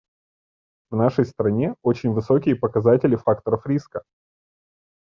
В нашей стране очень высокие показатели факторов риска.